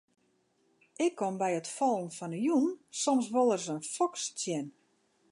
Ik kom by it fallen fan 'e jûn soms wol ris in foks tsjin.